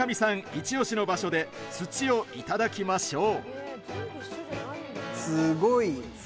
イチオシの場所で土をいただきましょう。